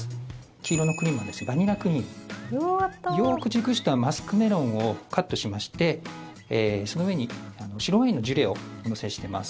黄色のクリームはバニラクリームよく熟したマスクメロンをカットしましてその上に白ワインのジュレをお乗せしています。